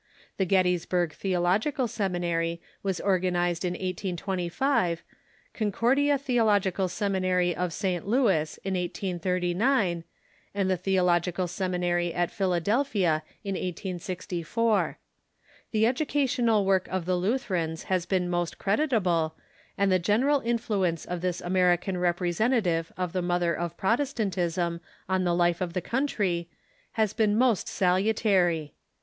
The Gettys burg Theological Seminary was organized in 1825, the Con coi'dia Theological Seminary of St. Louis in 1839, and the The ological Seminary at Philadelphia in 1864. The educational work of the Lutherans has been most creditable, and the gen eral influence of this American representative of the Mother of Protestantism on the life of the country has been most sal utary.